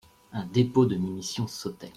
Un dépôt de munitions sautait.